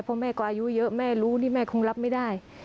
เพราะแม่ก็อายุเยอะแม่รู้นี่แม่คงรับไม่ได้